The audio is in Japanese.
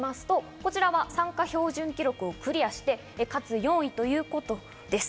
参加標準記録をクリアして、かつ４位ということです。